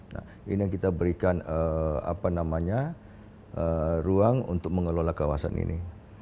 nah ini yang kita berikan ruang untuk mengelola kawasan ini